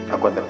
aku antar kamu